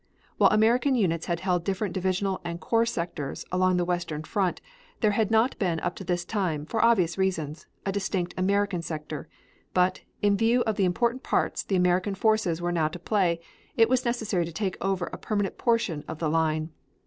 While American units had held different divisional and corps sectors along the western front, there had not been up to this time, for obvious reasons, a distinct American sector; but, in view of the important parts the American forces were now to play, it was necessary to take over a permanent portion of the line.